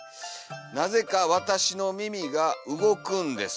「なぜかわたしの耳が動くんです」。